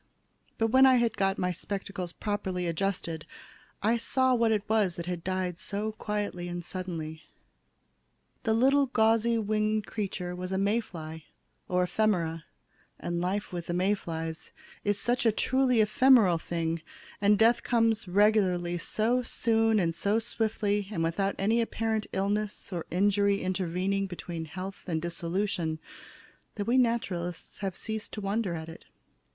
But when I had got my spectacles properly adjusted, I saw what it was that had died so quietly and suddenly. The little gauzy winged creature was a May fly, or ephemera, and life with the May flies is such a truly ephemeral thing, and death comes regularly so soon and so swiftly, and without any apparent illness or injury intervening between health and dissolution, that we naturalists have ceased to wonder at it.